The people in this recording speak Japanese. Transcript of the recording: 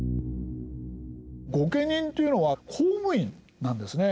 御家人というのは公務員なんですね。